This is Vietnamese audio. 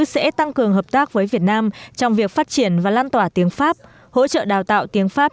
sẽ tăng cường hợp tác với việt nam trong việc phát triển và lan tỏa tiếng pháp hỗ trợ đào tạo tiếng pháp